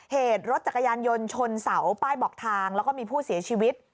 เหตุรถจักรยานยนต์ชนเสาป้ายบอกทางแล้วก็มีผู้เสียชีวิต